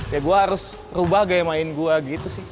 ya gue harus rubah gaya main gue gitu sih